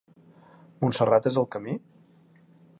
Montserrat és el camí?